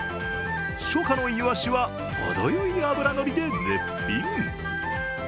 初夏のイワシはほどよい脂のりで絶品。